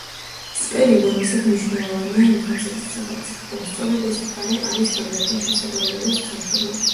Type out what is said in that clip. სპერი უაღრესად მნიშვნელოვანია იმ თვალსაზრისითაც, რომ სწორედ ეს მხარე არის ბაგრატიონთა საგვარეულოს სამშობლო.